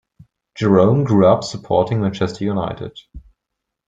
Jerome grew up supporting Manchester United.